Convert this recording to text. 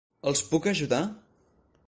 Els puc ajudar?